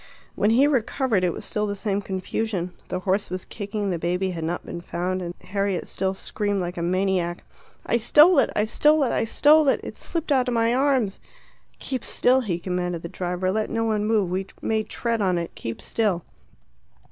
When he recovered it was still the same confusion. The horse was kicking, the baby had not been found, and Harriet still screamed like a maniac, "I stole it! I stole it! I stole it! It slipped out of my arms!" "Keep still!" he commanded the driver. "Let no one move. We may tread on it. Keep still."